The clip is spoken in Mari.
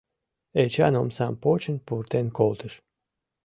Эчан омсам почын пуртен колтыш.